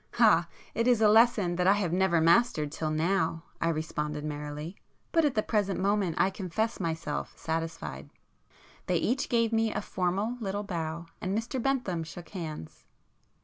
"Ah, it is a lesson that I have never mastered till now!" I responded merrily—"But at the present moment I confess myself satisfied." They each gave me a formal little bow, and Mr Bentham shook hands.